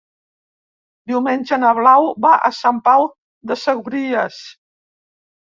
Diumenge na Blau va a Sant Pau de Segúries.